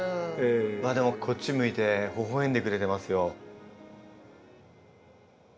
でもこっち向いてほほえんでくれてますよ。